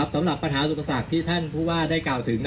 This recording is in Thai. สำหรับปัญหาสุขศักดิ์ที่ท่านพูดว่าได้กล่าวถึง